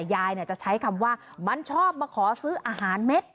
ยายจะใช้คำว่ามันชอบมาขอซื้ออาหารเม็ด